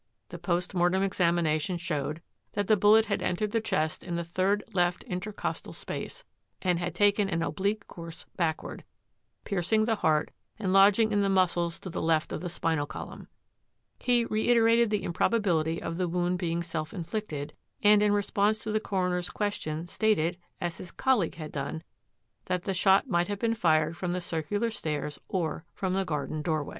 The post mortem examination showed that the bullet had entered the chest in the third left intercostal space and had taken an oblique course backward, piercing the heart and lodging in the muscles to the left of the spinal col umn. He reiterated the improbability of the wound being self inflicted, and in response to the coroner's question stated, as his colleague had done, that the shot might have been fired from the circular stairs or from the garden door way.